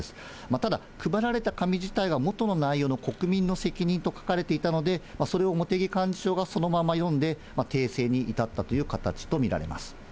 ただ、配られた紙自体が元の内容の国民の責任と書かれていたので、それを茂木幹事長がそのまま読んで、訂正に至ったという形と見られます。